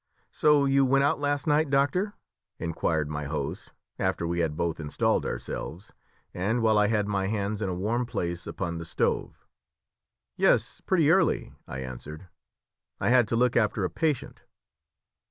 "So you went out last night, doctor?" inquired my host, after we had both installed ourselves, and while I had my hands in a warm place upon the stove. "Yes, pretty early," I answered. "I had to look after a patient."